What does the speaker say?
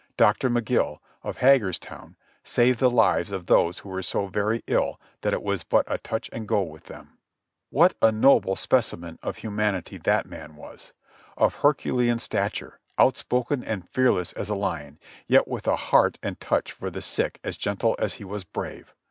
Doctor Magill, of Hagerstown, saved the lives of those who were so very ill that it was but a touch and go with them. What a noble specimen of humanity that man was! Of Her culean stature, outspoken and fearless as a lion, yet with a heart and touch for the sick as gentle as he was brave.